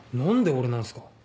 何で俺なんすか？